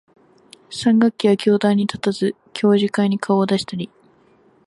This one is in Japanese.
三学期は教壇に立たず、教授会に顔を出したり、